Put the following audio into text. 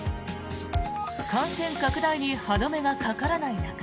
感染拡大に歯止めがかからない中